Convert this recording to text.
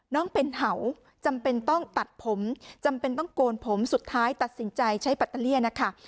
น้องเป็นเห่าจำเป็นต้องตัดผมจำเป็นต้องโกนผมสุดท้ายตัดสินใจใช้ปัตเตอร์เลี่ยนะคะ